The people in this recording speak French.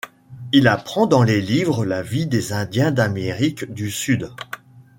Il apprend dans les livres la vie des Indiens d’Amérique du Sud.